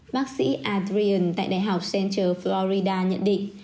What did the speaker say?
bác sĩ adrian tại đại học center florida nhận định